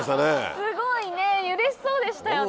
すごいうれしそうでしたよね。